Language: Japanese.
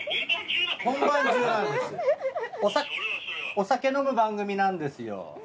お酒飲む番組なんですよ。